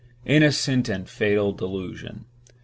Innocent and fatal delusion!